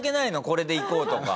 これでいこうとか。